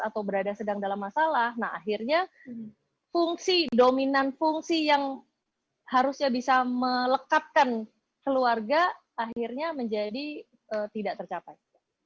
atau berada sedang dalam masalah nah akhirnya fungsi dominan fungsi yang harusnya bisa melekatkan keluarga akhirnya menjadi tidak tercapai